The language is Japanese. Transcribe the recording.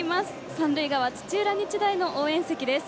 三塁側、土浦日大の応援席です。